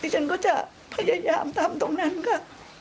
ฉันก็จะพยายามทำตรงนั้นค่ะ